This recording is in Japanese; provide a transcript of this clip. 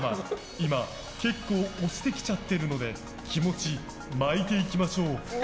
今、結構押してきちゃってるので気持ち巻いていきましょう。